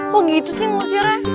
pokoknya itu sih ngusirnya